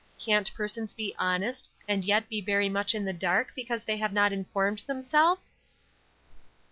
Can't persons be honest, and yet be very much in the dark because they have not informed themselves?"